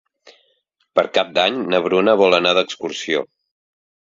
Per Cap d'Any na Bruna vol anar d'excursió.